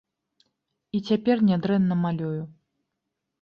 І цяпер нядрэнна малюю.